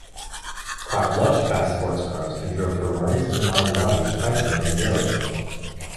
Kropp loved fast sports cars and drove Ferraris and Maseratis privately on the road.